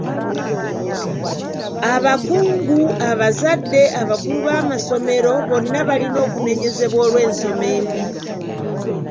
Abakungu, abazadde, abakulu b'amasomero bonna balina okunenyezebwa olw'ensoma embi.